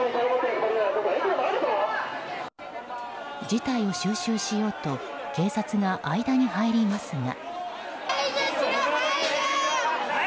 事態を収拾しようと警察が間に入りますが。